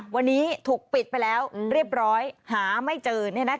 วันนี้ถูกปิดไปแล้วเรียบร้อยหาไม่เจอ